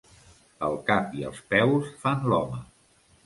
El cap i els peus fan l'home.